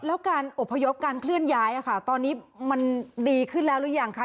แล้วการอบพยพการเคลื่อนย้ายค่ะตอนนี้มันดีขึ้นแล้วหรือยังคะ